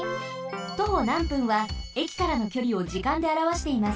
徒歩なん分は駅からのきょりを時間であらわしています。